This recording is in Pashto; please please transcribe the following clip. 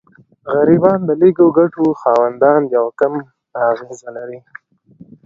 غریبان د لږو ګټو خاوندان دي او کم اغېز لري.